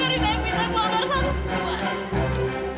dari depan bu amar harus ke rumah